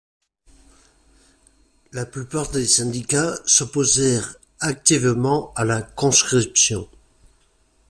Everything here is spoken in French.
La plupart des syndicats s'opposèrent activement à la conscription.